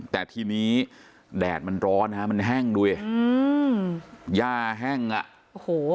แต่ทีนี้แดดมันร้อนฮะมันแห้งดูดิอืมย่าแห้งอ่ะโอ้โห